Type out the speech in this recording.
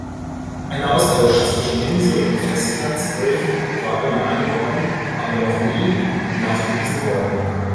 Ein Austausch zwischen Insel- und Festlands-Wölfen war immer angenommen, aber noch nie nachgewiesen worden.